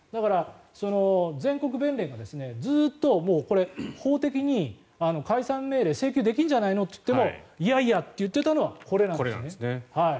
だから、全国弁連がずっと法的に解散命令を請求できるんじゃないのと言ってもいやいやといっていたのがこれなんです。